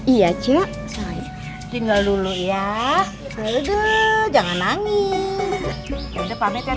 iya cuk tinggal dulu ya jangan nangis